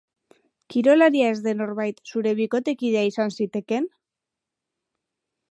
Kirolaria ez den norbait zure bikotekidea izan zitekeen?